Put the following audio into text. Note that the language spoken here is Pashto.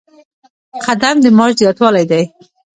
قدم د معاش زیاتوالی دی